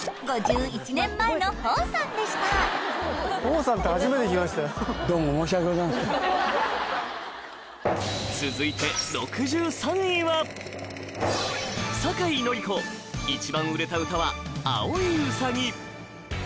５１年前のほーさんでした続いて６３位は酒井法子一番売れた歌は「碧いうさぎ」